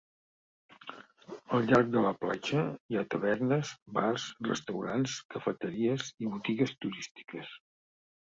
Al llarg de la platja hi ha tavernes, bars, restaurants, cafeteries i botigues turístiques.